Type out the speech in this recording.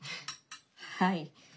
はい。